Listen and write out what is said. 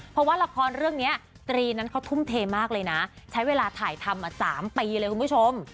เพราะว่าละครเรื่องนี้ตรีนั้นเขาทุ่มเทมากเลยนะใช้เวลาถ่ายทำมา๓ปีเลยคุณผู้ชม